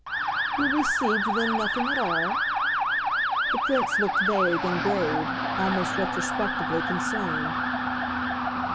"You received then nothing at all?" The Prince looked vague and grave, almost retrospectively concerned.